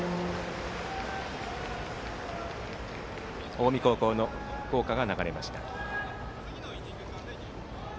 近江高校の校歌が流れました。